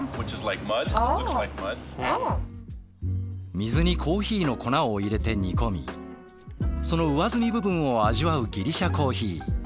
水にコーヒーの粉を入れて煮込みその上澄み部分を味わうギリシャコーヒー。